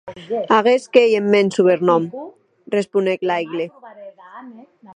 Aguest qu’ei eth mèn subernòm, responec Laigle.